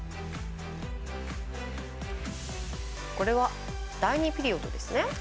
これは、第２ピリオドですね。